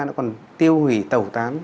nó còn tiêu hủy tẩu tán